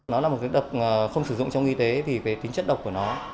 nó là một cái độc không sử dụng trong y tế vì cái tính chất độc của nó